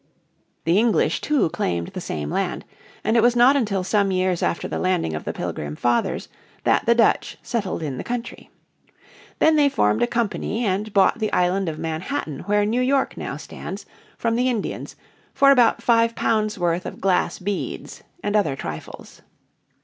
The English too claimed the same land, and it was not until some years after the landing of the Pilgrim Fathers that the Dutch settled in the country. Then they formed a company and bought the Island of Manhattan where New York now stands from the Indians for about five pounds' worth of glass beads and other trifles.